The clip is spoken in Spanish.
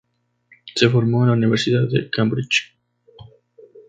Se formó en la Universidad de Cambridge.